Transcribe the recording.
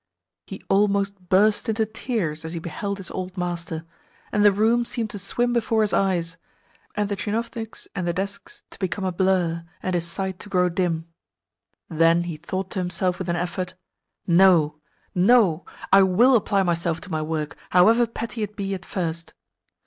He almost burst into tears as he beheld his old master, and the room seemed to swim before his eyes, and the tchinovniks and the desks to become a blur, and his sight to grow dim. Then he thought to himself with an effort: "No, no! I WILL apply myself to my work, however petty it be at first."